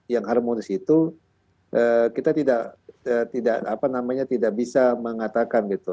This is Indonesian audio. yang harmonis itu kita tidak bisa mengatakan gitu